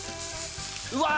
うわ